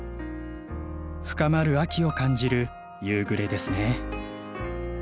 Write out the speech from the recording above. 深まる秋を感じる夕暮れですね。